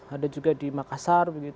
ada juga di makassar